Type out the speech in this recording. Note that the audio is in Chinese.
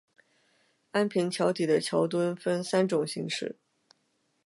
安平桥底的桥墩分三种形式。